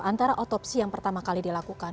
antara otopsi yang pertama kali dilakukan